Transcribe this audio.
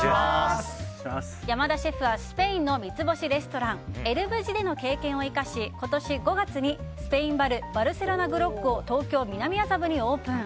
山田シェフはスペインの三ツ星レストランエル・ブジでの経験を生かし今年の５月にスペインバルバルセロナグロックを東京・南麻布にオープン。